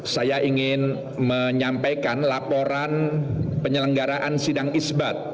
saya ingin menyampaikan laporan penyelenggaraan sidang isbat